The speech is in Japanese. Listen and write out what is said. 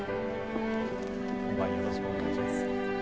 本番よろしくお願いします。